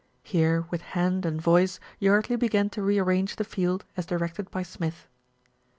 Here, with hand and voice Yardley began to rearrange the field as directed by Smith.